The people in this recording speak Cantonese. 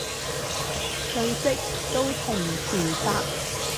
信息都同時發